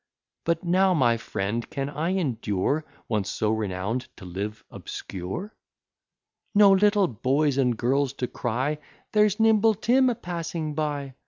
But how, my friend, can I endure, Once so renown'd, to live obscure? No little boys and girls to cry, "There's nimble Tim a passing by!"